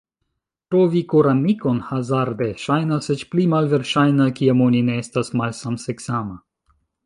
Trovi koramikon hazarde ŝajnas eĉ pli malverŝajna kiam oni ne estas malsamseksama.